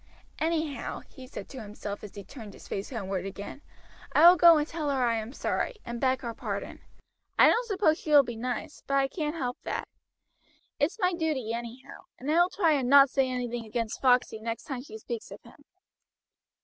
"Anyhow," he said to himself as he turned his face homeward again, "I will go and tell her I am sorry, and beg her pardon. I don't suppose she will be nice, but I can't help that. It's my duty anyhow, and I will try and not say anything against Foxey next time she speaks of him."